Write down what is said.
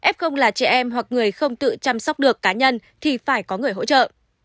f là trẻ em hoặc người không tự chăm sóc được cá nhân thì phải có người hỗ trợ